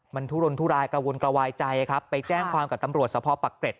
มันทุรนทุรายกระวนกระวายใจครับไปแจ้งความกับตำรวจสภปักเกร็ด